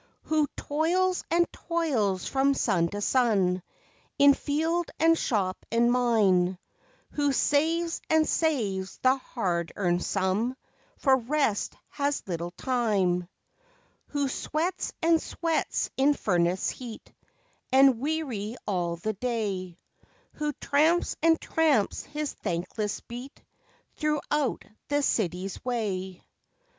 Who toils and toils from sun to sun In field and shop and mine? Who saves and saves the hard earned sum, For rest has little time? Who sweats and sweats in furnace heat? And weary all the day, Who tramps and tramps his thankless beat, Throughout the city's way?